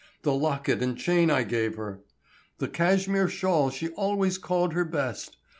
The locket and chain I gave her! The cashmere shawl she always called her best!